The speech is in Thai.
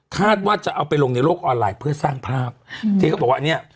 ว่าจะเอาไปลงในโลกออนไลน์เพื่อสร้างภาพอืมที่เขาบอกว่าอันเนี้ย